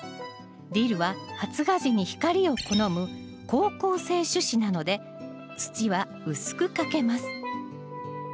ディルは発芽時に光を好む好光性種子なので土は薄くかけます。